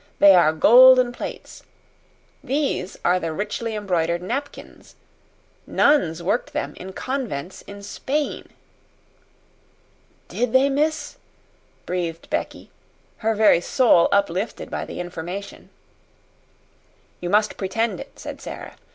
"They are golden plates. These are the richly embroidered napkins. Nuns worked them in convents in Spain." "Did they, miss?" breathed Becky, her very soul uplifted by the information. "You must pretend it," said Sara.